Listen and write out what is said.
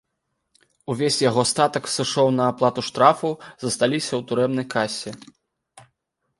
Увесь яго статак сышоў на аплату штрафу, засталіся у турэмнай касе.